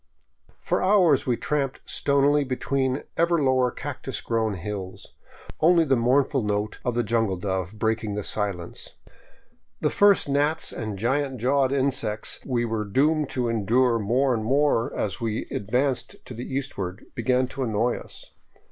For hours we tramped stonily between ever lower cactus grown hills, only the mournful note of the jungle dove breaking the silence. The first gnats and giant jawed insects we were doomed to endure more and more as we advanced to the east ward began to annoy us.